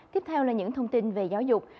tiếp theo là những thông tin về giáo dục